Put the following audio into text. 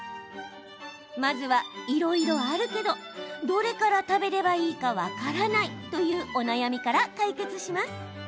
まずは、いろいろあるけどどれから食べればいいか分からないというお悩みから解決します。